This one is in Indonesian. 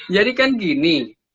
jadi kan gini